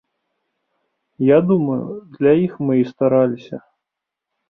Я думаю, для іх мы і стараліся.